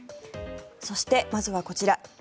そして、まずはこちら。